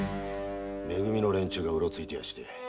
め組の連中がうろついてまして。